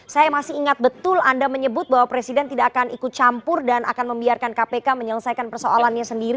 saya masih ingat betul anda menyebut bahwa presiden tidak akan ikut campur dan akan membiarkan kpk menyelesaikan persoalannya sendiri